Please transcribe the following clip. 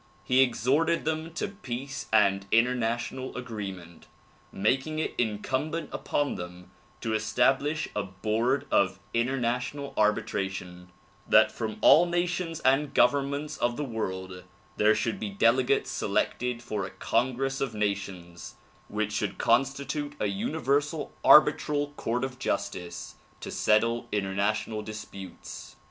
He exhorted them to peace and international agreement, making it incumbent upon them to establish a board of inter national arbitration ; that from all nations and governments of the world there should be delegates selected for a congress of nations which should constitute a universal arbitral court of justice to settle international disputes.